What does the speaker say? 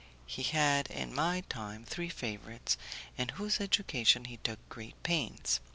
He had, in my time, three favourites in whose education he took great pains.